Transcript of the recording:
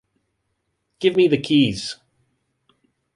Give me the keys.